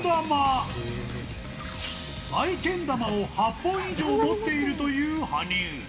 マイけん玉を８本以上持っているという羽生。